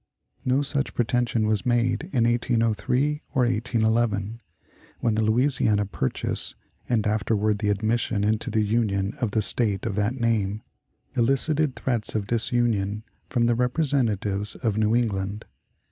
No such pretension was made in 1803 or 1811, when the Louisiana purchase, and afterward the admission into the Union of the State of that name, elicited threats of disunion from the representatives of New England.